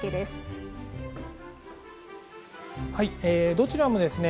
どちらもですね